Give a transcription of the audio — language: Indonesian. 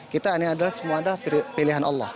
kita ini adalah semua adalah pilihan allah